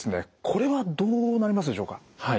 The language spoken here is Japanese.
これはどうなりますでしょうか。